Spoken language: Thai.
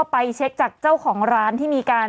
ไปเช็คได้